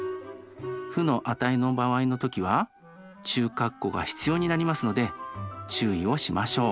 負の値の場合の時は中括弧が必要になりますので注意をしましょう。